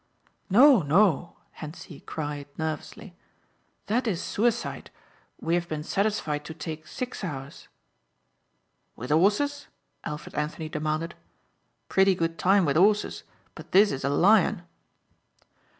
"No. No," Hentzi cried nervously, "that is suicide. We have been satisfied to take six hours." "With 'orses?" Alfred Anthony demanded, "pretty good time with 'orses, but this is a Lion."